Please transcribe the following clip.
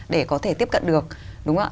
để có thể tiếp cận được đúng không ạ